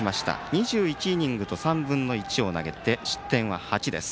２１イニングと３分の１を投げて失点は８です。